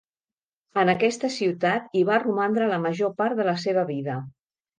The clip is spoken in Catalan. En aquesta ciutat i va romandre la major part de la seva vida.